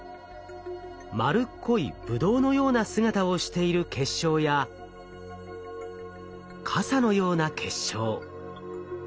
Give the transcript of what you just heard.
丸っこいぶどうのような姿をしている結晶や傘のような結晶。